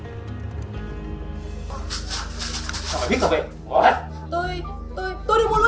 trần huệ đã trở về nhà